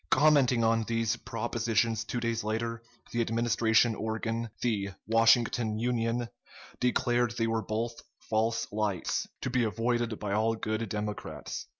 Commenting on these propositions two days later, the Administration organ, the "Washington Union," declared they were both "false lights," to be avoided by all good Democrats.